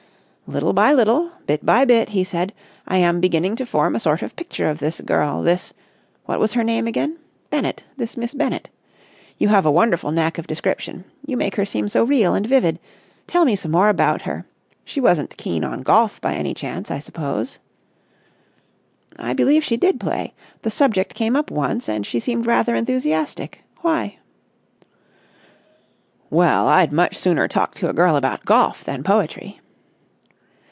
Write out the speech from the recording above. "Little by little, bit by bit," he said, "I am beginning to form a sort of picture of this girl, this—what was her name again? Bennett—this Miss Bennett. You have a wonderful knack of description. You make her seem so real and vivid. Tell me some more about her. She wasn't keen on golf, by any chance, I suppose?" "I believe she did play. The subject came up once and she seemed rather enthusiastic. Why?" "Well, I'd much sooner talk to a girl about golf than poetry."